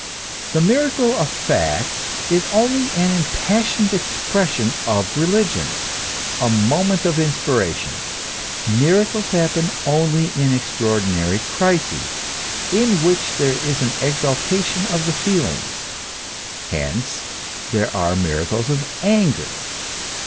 The miracle of fact is only an impassioned ex pression of religion, a moment of inspiration. Miracles happen only in extraordinary crises, in which there is an exaltation of the feelings : hence there are miracles of anger.